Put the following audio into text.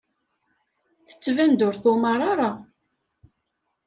Tettban-d ur tumar ara.